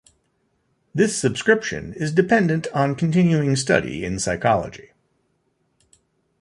This subscription is dependent on continuing study in psychology.